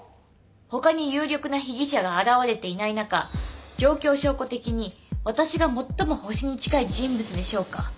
他に有力な被疑者が現れていない中状況証拠的に私が最もホシに近い人物でしょうか。